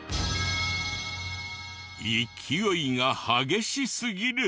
勢いが激しすぎる！